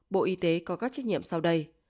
bộ y tế có các trách nhiệm sau đây